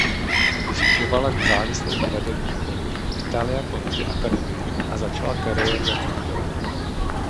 Vystudovala nezávislou divadelní školu Italia Conti Academy a začala kariéru jako modelka.